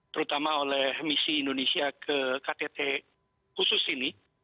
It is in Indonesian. terutama oleh misi indonesia ke ktt khusus ini